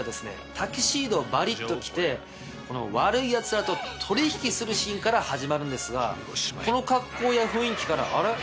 タキシードをバリっと着て悪いヤツらと取引するシーンから始まるんですがこの格好や雰囲気からあれ？